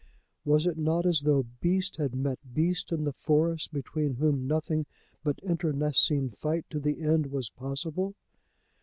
Was it not as though beast had met beast in the forest between whom nothing but internecine fight to the end was possible?